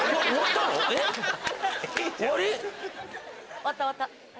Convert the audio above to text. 終わった終わった。